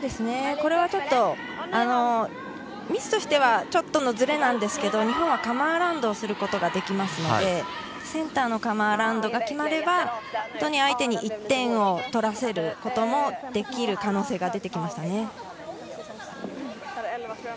これはちょっと、ミスとしてはちょっとのズレですが、日本はカムアラウンドすることができますので、センターのカムアラウンドが決まれば、相手に１点を取らせることもできる可能性が出てきましたね。